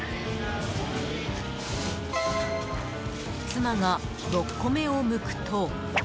妻が６個目をむくと。